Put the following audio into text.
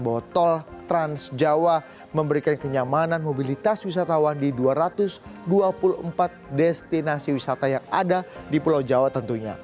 bahwa tol transjawa memberikan kenyamanan mobilitas wisatawan di dua ratus dua puluh empat destinasi wisata yang ada di pulau jawa tentunya